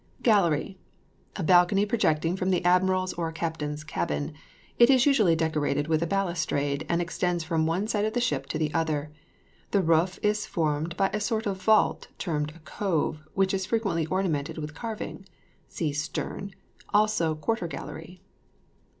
GALLERY. A balcony projecting from the admiral's or captain's cabin; it is usually decorated with a balustrade, and extends from one side of the ship to the other; the roof is formed by a sort of vault termed a cove, which is frequently ornamented with carving. (See STERN; also QUARTER GALLERY.)